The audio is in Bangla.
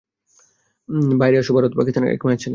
বাইরে আসো ভারত, পাকিস্তান, এক মায়ের ছেলে।